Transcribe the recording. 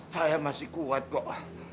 saya masih kuat kok